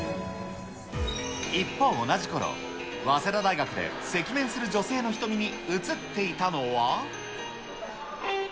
一方、同じころ、早稲田大学で赤面する女性の瞳に映っていたのは。